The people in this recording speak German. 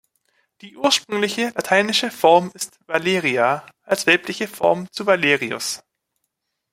Die ursprüngliche lateinische Form ist Valeria, als weibliche Form zu Valerius.